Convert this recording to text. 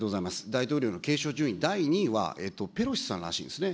大統領の継承順位第２位は、ペロシさんらしいですね。